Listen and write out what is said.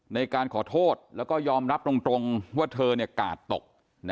ในการขอโทษแล้วก็ยอมรับตรงว่าเธอกาดตก